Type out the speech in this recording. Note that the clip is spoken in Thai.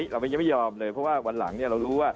เรายังไม่ยอมเลยเพราะว่าวันหลังเรารู้ว่า